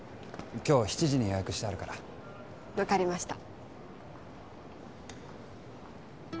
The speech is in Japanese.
今日７時に予約してあるから分かりました